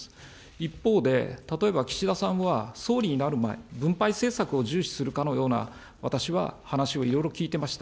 一方で、例えば岸田さんは、総理になる前、分配政策を重視するかのような、私は話をいろいろ聞いていました。